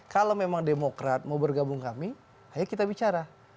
kalau memang demokrat mau bergabung kami ayo kita bicara